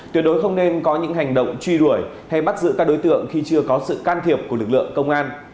tuyệt đối không nên có những hành động truy đuổi hay bắt giữ các đối tượng khi chưa có sự can thiệp của lực lượng công an